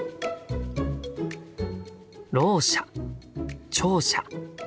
「ろう者」「聴者」「手話」。